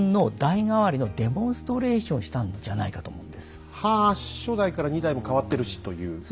実際ははぁ初代から２代も替わってるしという。